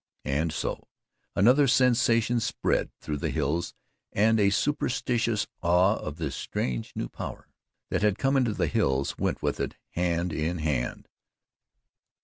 And so another sensation spread through the hills and a superstitious awe of this strange new power that had come into the hills went with it hand in hand.